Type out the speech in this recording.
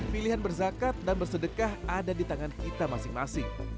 pilihan berzakat dan bersedekah ada di tangan kita masing masing